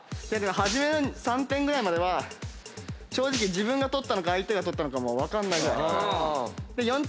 初めの３点ぐらいまでは正直自分が取ったのか相手が取ったのかも分かんない。